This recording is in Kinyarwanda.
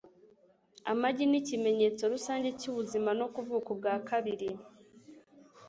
Amagi nikimenyetso rusange cyubuzima no kuvuka ubwa kabiri.